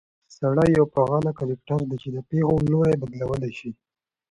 سړى يو فعال کرکټر دى، چې د پېښو لورى بدلولى شي